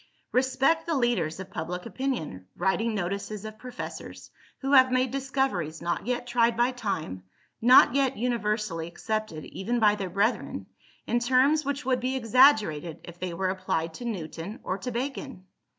Respect the leaders of public opinion, writing notices of professors, who have made discoveries not yet tried by time, not yet universally accepted even by their brethren, in terms which would be exaggerated if they were applied to Newton or to Bacon.